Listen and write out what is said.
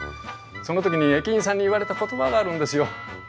その時に駅員さんに言われた言葉があるんですよ。